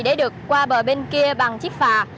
để được qua bờ bên kia bằng chiếc phà